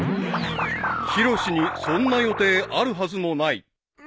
［ヒロシにそんな予定あるはずもない］